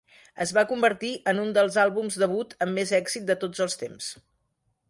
Es va convertir en un dels àlbums debut amb més èxit de tots els temps.